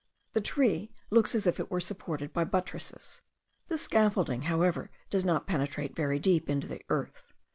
The tree looks as if it were supported by buttresses. This scaffolding however does not penetrate very deep into the earth.